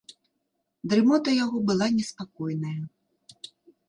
Дрымота яго была неспакойная.